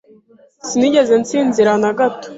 Sinigeze nsinzira na gato.